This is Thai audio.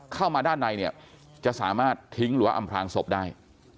เข้ามาด้านในเนี่ยจะสามารถทิ้งหรือว่าอำพลางศพได้